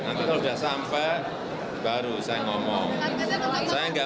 nanti kalau sudah sampai baru saya ngomong